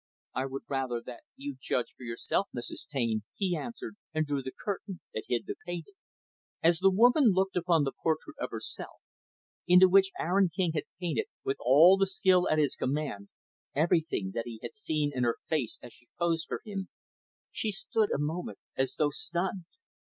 "I would rather that you judge for yourself, Mrs. Taine," he answered, and drew the curtain that hid the painting. As the woman looked upon that portrait of herself, into which Aaron King had painted, with all the skill at his command, everything that he had seen in her face as she posed for him, she stood a moment as though stunned.